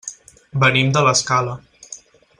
Venim de l'Escala.